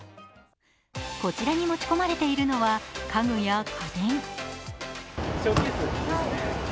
こちらに持ち込まれているのは家具や家電。